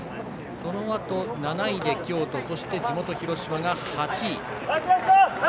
そのあと７位で京都地元・広島が８位。